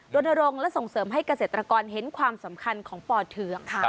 รณรงค์และส่งเสริมให้เกษตรกรเห็นความสำคัญของป่อเทือกค่ะ